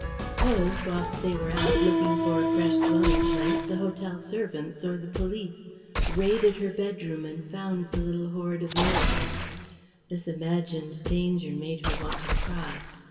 Suppose, whilst they were out, looking for a fresh dwelling place, the hotel servants or the police raided her bedroom and found the little hoard of notes? This imagined danger made her want to cry.